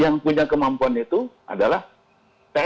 yang punya kemampuan itu adalah tni